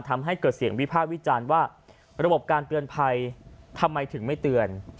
ทำให้เกิดเสียงวิพากษ์วิจารณ์ว่าระบบการเตือนภัยทำไมถึงไม่เตือน